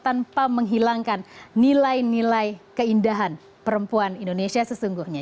tanpa menghilangkan nilai nilai keindahan perempuan indonesia sesungguhnya